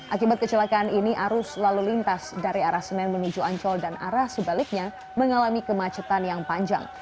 akibat kecelakaan ini arus lalu lintas dari arah senen menuju ancol dan arah sebaliknya mengalami kemacetan yang panjang